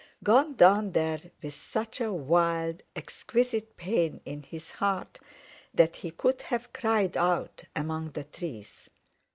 Gone down there with such a wild, exquisite pain in his heart that he could have cried out among the trees.